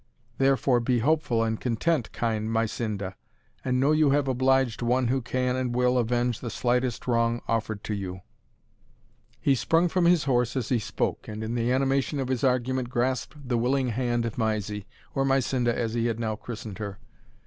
Therefore be hopeful and content, kind Mysinda, and know you have obliged one who can and will avenge the slightest wrong offered to you." He sprung from his horse as he spoke, and, in the animation of his argument, grasped the willing hand of Mysie, (or Mysinda as he had now christened her.)